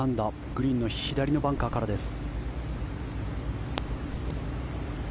グリーンの左のバンカーからです。